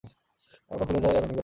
আমার পা ফুলে যায় আর অনেক ব্যথা করে।